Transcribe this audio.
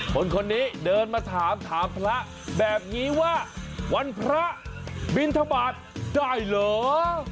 คนนี้เดินมาถามถามพระแบบนี้ว่าวันพระบินทบาทได้เหรอ